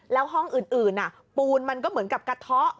แล้วห้องอื่นปูนมันก็เหมือนกับกระเทาะ